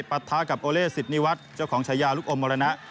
ปรัฐากับโอเลสิตนีวัตรเจ้าของชายาลุกอมมรณะ